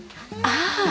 ああ！